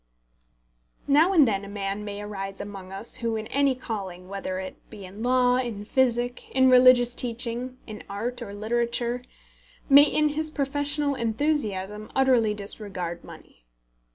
Now and then a man may arise among us who in any calling, whether it be in law, in physic, in religious teaching, in art, or literature, may in his professional enthusiasm utterly disregard money.